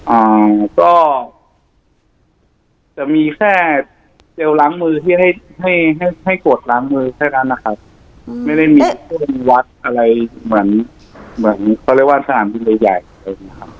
ลงเครื่องจะมีแค่เป็นแจลล้างมือที่ให้เกริดล้างมือก็แค่นั้นนะคะไม่ได้มีวัดอ่อนกับสถานที่มีในฝั่งพิเศภ